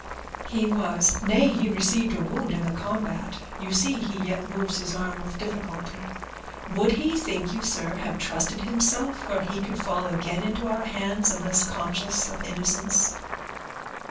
"He was; nay, he received a wound in the combat. You see he yet moves his arm with difficulty. Would he, think you, sir, have trusted himself where he could fall again into our hands, unless conscious of innocence?"